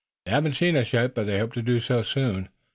"They haven't seen us yet, but they hope to do so soon."